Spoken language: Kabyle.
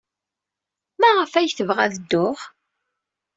Maɣef ay tebɣa ad dduɣ?